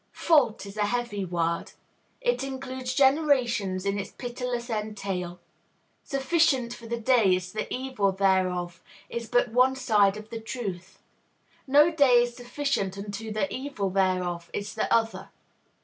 Fault is a heavy word. It includes generations in its pitiless entail. Sufficient for the day is the evil thereof is but one side of the truth. No day is sufficient unto the evil thereof is the other.